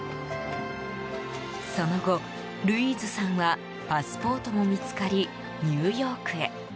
その後、ルイーズさんはパスポートも見つかりニューヨークへ。